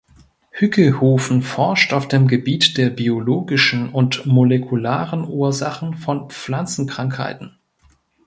Hückelhoven forscht auf dem Gebiet der biologischen und molekularen Ursachen von Pflanzenkrankheiten.